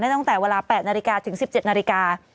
ตั้งแต่เวลา๘นาฬิกาถึง๑๗นาฬิกา